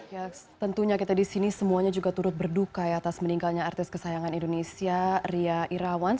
ya tentunya kita di sini semuanya juga turut berduka ya atas meninggalnya artis kesayangan indonesia ria irawan